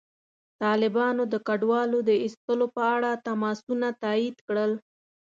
طالبانو د کډوالو د ایستلو په اړه تماسونه تایید کړل.